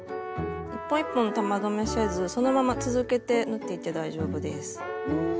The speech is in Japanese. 一本一本玉留めせずそのまま続けて縫っていって大丈夫です。